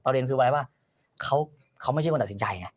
ป๋าเลนว่าเขาไม่ใช่ควรตัดสินใจ